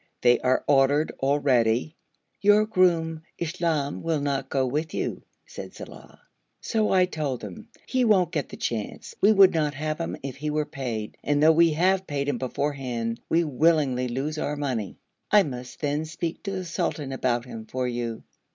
'They are ordered already.' 'Your groom, Iselem, will not go with you,' said Saleh. So I told him, 'He won't get the chance; we would not have him if we were paid, and though we have paid him beforehand, we willingly lose our money.' 'I must, then, speak to the sultan about him, for you.'